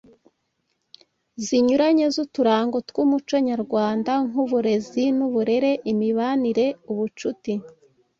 zinyuranye z’uturango tw’umuco nyarwanda nk’uburezi n’uburere imibanire ubucuti